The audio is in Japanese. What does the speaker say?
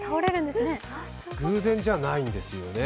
偶然じゃないんですよね。